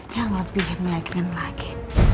yang lebih milikin lagi